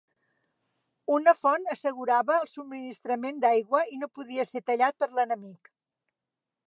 Una font assegurava el subministrament d'aigua i no podia ser tallat per l'enemic.